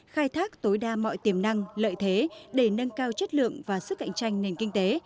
khai thác tối đa mọi tiềm năng lợi thế để nâng cao chất lượng và sức cạnh tranh nền kinh tế